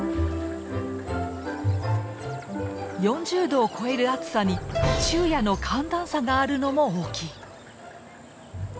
４０度を超える暑さに昼夜の寒暖差があるのも大きい。